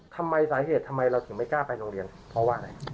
ทำไมสาเหตุทำไมเราถึงไม่กล้าไปโรงเรียนเพราะว่าอะไร